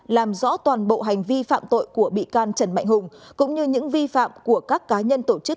làm rõ toàn bộ hành vi phạm tội của bị can trần mạnh hùng cũng như những vi phạm của các cá nhân tổ chức